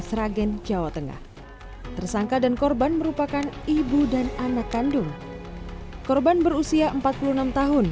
sragen jawa tengah tersangka dan korban merupakan ibu dan anak kandung korban berusia empat puluh enam tahun